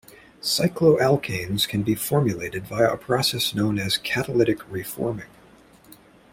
Cycloalkanes can be formulated via a process known as catalytic reforming.